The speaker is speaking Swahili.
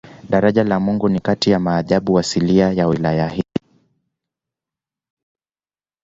Daraja la Mungu ni kati ya maajabu asilia ya wilaya hii